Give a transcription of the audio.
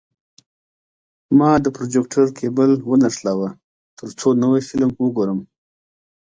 ما د پروجیکتور کیبل ونښلاوه، ترڅو نوی فلم وګورم.